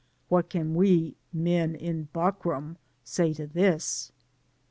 What can we *' men in buckram*' say to this